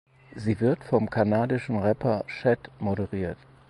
Sie wird vom kanadischen Rapper Shad moderiert.